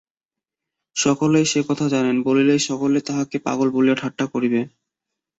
সকলেই সেকথা জানে, বলিলেই সকলে তাহাকে পাগল বলিয়া ঠাট্টা করিবে।